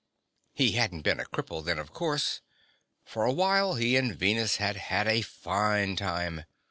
He hadn't been a cripple then, of course. For a while, he and Venus had had a fine time.